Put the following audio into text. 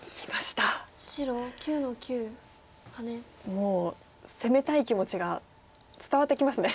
もう攻めたい気持ちが伝わってきますね。